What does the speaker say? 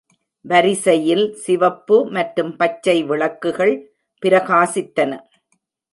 வரிசையில் சிவப்பு மற்றும் பச்சை விளக்குகள் பிரகாசித்தன.